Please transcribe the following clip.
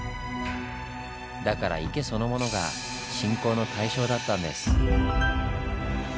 だから池そのものが信仰の対象だったんです。